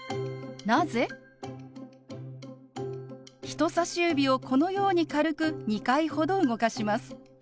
人さし指をこのように軽く２回ほど動かします。